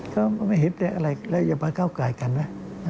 ก็ไม่เห็นอะไรละยะบาดเก่าไก่กันนะ